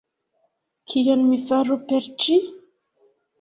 Kion mi faru per ĝi?